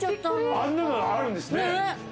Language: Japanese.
あんなのあるんですね。